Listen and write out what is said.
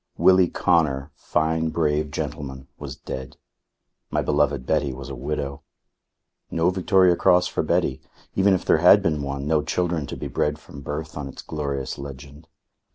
Willie Connor, fine brave gentleman, was dead. My beloved Betty was a widow. No Victoria Cross for Betty. Even if there had been one, no children to be bred from birth on its glorious legend.